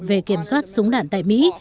về kiểm soát súng đạn tại mỹ